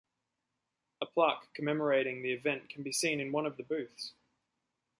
A plaque commemorating the event can be seen in one of the booths.